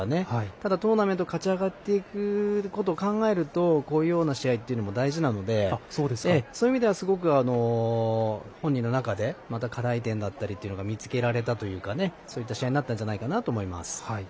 ただ、トーナメントを勝ち上がっていくことを考えるとこういうような試合っていうのも大事なのでそういうような意味では本人の中でまた課題点であったりというところが見つけられたそういった試合になったんじゃないかなと思います。